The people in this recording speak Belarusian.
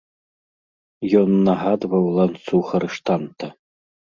Ён нагадваў ланцуг арыштанта.